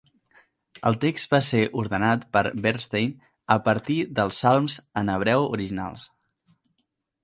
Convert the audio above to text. El text va ser ordenat per Bernstein a partir dels salms en hebreu originals.